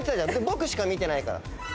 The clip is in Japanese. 僕しか見てないから。